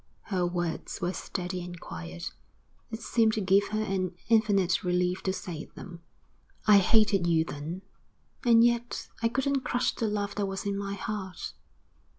Her words were steady and quiet. It seemed to give her an infinite relief to say them. 'I hated you then, and yet I couldn't crush the love that was in my heart.